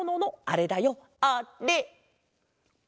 あれ！